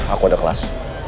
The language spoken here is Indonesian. aku udah kelas